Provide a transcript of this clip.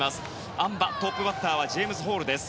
あん馬、トップバッターはジェームズ・ホールです。